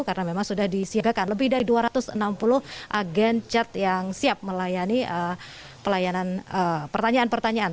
karena memang sudah disiapkan lebih dari dua ratus enam puluh agen chat yang siap melayani pertanyaan pertanyaan